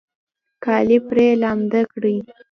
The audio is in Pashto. کالي پرې لامده کړئ